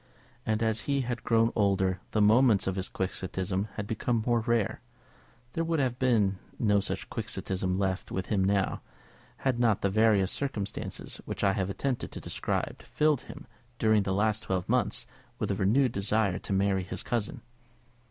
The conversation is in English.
And as he had grown older the moments of his Quixotism had become more rare. There would have been no such Quixotism left with him now, had not the various circumstances which I have attempted to describe, filled him, during the last twelve months, with a renewed desire to marry his cousin.